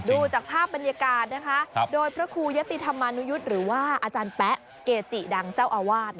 ดูจากภาพบรรยากาศนะคะโดยพระครูยะติธรรมานุยุทธ์หรือว่าอาจารย์แป๊ะเกจิดังเจ้าอาวาส